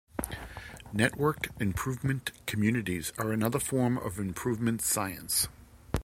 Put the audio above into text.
Networked Improvement Communities are another form of Improvement Science.